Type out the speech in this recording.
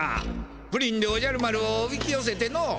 プリンでおじゃる丸をおびきよせての。